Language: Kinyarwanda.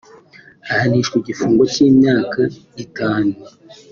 ahanishwa igifungo cy’imyaka itanu